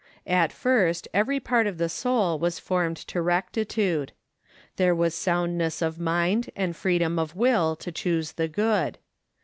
At first every part of the soul was formed to rectitude. There was soundness of mind and freedom of will to choose the good.